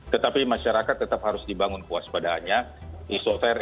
tetapi masyarakat tetap harus dibangun puas padanya tetapi masyarakat tetap harus dibangun puas padanya